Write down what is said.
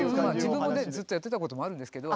自分もずっとやってたこともあるんですけど。